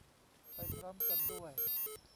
ไปพร้อมกันด้วย